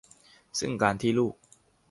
ซึ่งการที่ลูก